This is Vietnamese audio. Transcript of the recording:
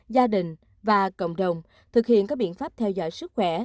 gia đình và cộng đồng thực hiện các biện pháp theo dõi sức khỏe